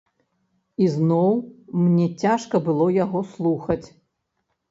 Ізноў мне цяжка было яго слухаць.